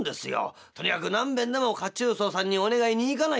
とにかく何べんでも褐虫藻さんにお願いに行かないと」。